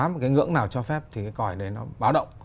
một cái ngưỡng nào cho phép thì cái còi đấy nó báo động